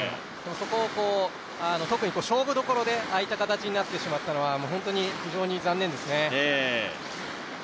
そこを特に勝負どころで、ああいった形になってしまったのは、非常に残念ですね。